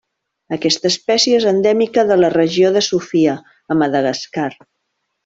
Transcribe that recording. Aquesta espècie és endèmica de la regió de Sofia, a Madagascar.